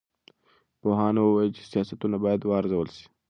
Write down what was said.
پوهانو وویل چې سیاستونه باید وارزول سي.